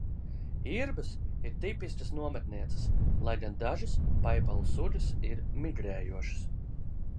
Irbes ir tipiskas nometnieces, lai gan dažas paipalu sugas ir migrējošas.